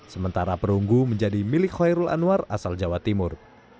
sementara perunggu menjadi milik khairul anwar asal jawa timur